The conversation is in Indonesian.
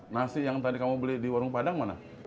nasi yang tadi kamu beli di warung padang mana